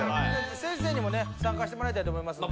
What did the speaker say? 先生にもね参加してもらいたいと思いますので。